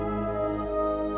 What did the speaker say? ke vacuum playstation lainnya